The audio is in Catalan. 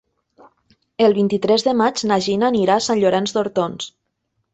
El vint-i-tres de maig na Gina anirà a Sant Llorenç d'Hortons.